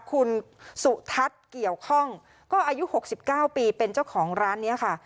คุณสุทัศน์เกี่ยวข้องก็อายุ๖๙ปีเป็นเจ้าของร้านนี้ค่ะ